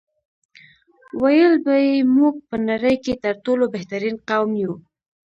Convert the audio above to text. ویل به یې موږ په نړۍ کې تر ټولو بهترین قوم یو.